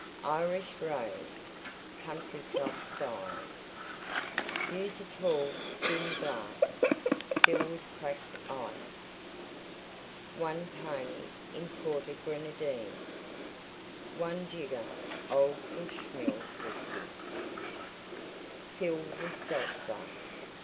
IRISH ROSE Country Club Style Use a tall, thin glass; fill with Cracked Ice. 1 pony imported Grenadine. 1 jigger Old Bushmill Whiskey. Fill with Seltzer.